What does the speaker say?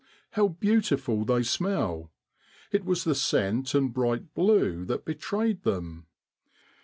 How beautiful they smell: it was the scent and bright blue that betrayed them.